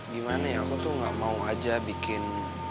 gimana ya aku tuh gak mau aja bikin